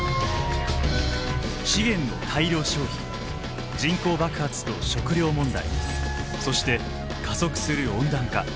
資源の大量消費人口爆発と食糧問題そして加速する温暖化。